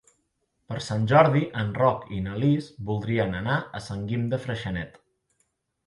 Per Sant Jordi en Roc i na Lis voldrien anar a Sant Guim de Freixenet.